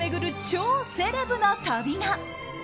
超セレブな旅が。